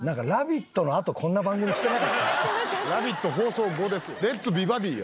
『ラヴィット！』放送後ですよ。